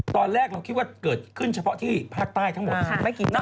ตอนแรกเราคิดว่าเกิดขึ้นเฉพาะที่ภาคใต้ทั้งหมด